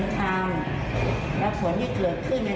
เราต้องทำผิดก็ยอมรับผิดนะแล้วก็คิดทบทวน